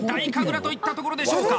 楽といったところでしょうか！